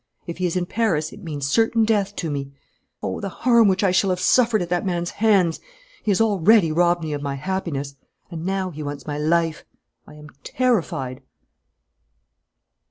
If he is in Paris, it means certain death to me. Oh, the harm which I shall have suffered at that man's hands! He has already robbed me of my happiness; and now he wants my life. I am terrified."